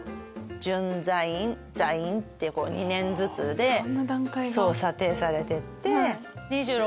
準座員座員って２年ずつで査定されてって。